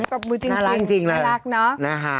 ตบมือจริงน่ารักจริงน่ารักเนาะ